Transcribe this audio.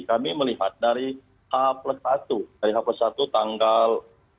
kami melihat dari h plus satu dari h plus satu tanggal